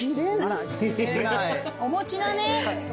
お餅だね。